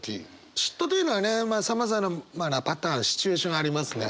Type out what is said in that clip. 嫉妬というのはねまあさまざまなパターンシチュエーションありますね。